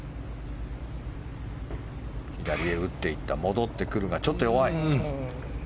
左へ打っていった戻ってくるがちょっと弱い。